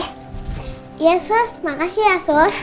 iya sus makasih ya sus